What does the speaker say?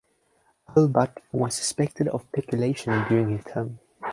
Hurlbut was suspected of peculation during his term.